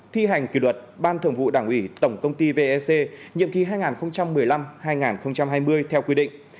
thi hành kỷ luật ban thường vụ đảng ủy tổng công ty vec nhiệm kỳ hai nghìn một mươi năm hai nghìn hai mươi theo quy định